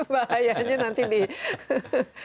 bahayanya nanti dikena sepeda atau sepeda motor